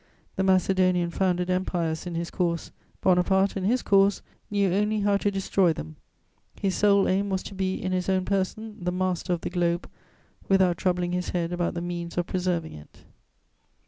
The Macedonian founded empires in his course: Bonaparte, in his course, knew only how to destroy them; his sole aim was to be, in his own person, the master of the globe, without troubling his head about the means of preserving it.